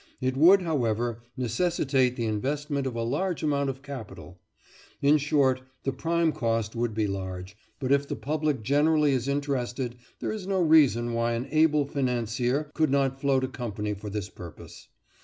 It would, however, necessitate the investment of a large amount of capital. In short, the prime cost would be large, but if the public generally is interested, there is no reason why an able financier could not float a company for this purpose.